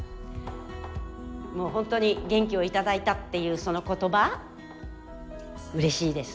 もうほんとに元気を頂いたっていうその言葉うれしいです。